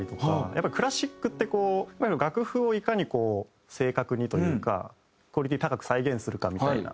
やっぱりクラシックってこう楽譜をいかに正確にというかクオリティー高く再現するかみたいな。